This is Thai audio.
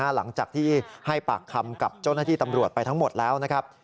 หลังจากที่ให้ปากคำกับเจ้าหน้าที่ตำรวจไปทั้งหมดแล้วนะครับ